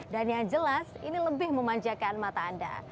dan yang jelas ini lebih memanjakan mata anda